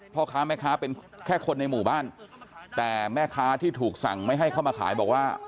พ่อค้าแม่ค้าเป็นแค่คนในหมู่บ้านแต่แม่ค้าที่ถูกสั่งไม่ให้เข้ามาขายบอกว่า